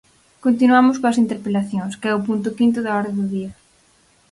Continuamos coas interpelacións, que é o punto quinto da orde do día.